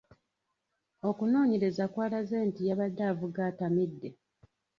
Okunoonyereza kwalaze nti yabadde avuga atamidde.